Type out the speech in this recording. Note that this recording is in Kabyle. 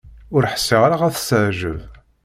Ur ḥṣiɣ ara ad s-teɛǧeb.